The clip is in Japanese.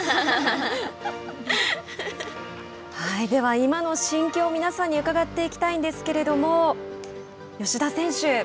では、今の心境を皆さんに伺っていきたいんですけれども吉田選手